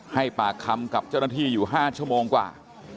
ให้ปากคำกับเจ้าหน้าที่อยู่๕ชั่วโมงกว่า